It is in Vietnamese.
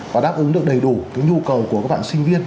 và đáp ứng được đầy đủ nhu cầu của các bạn sinh viên